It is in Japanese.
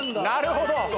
なるほど。